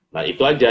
nah itu aja